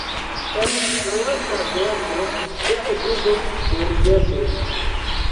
En la lasta teatro ŝia edzo dirigentis.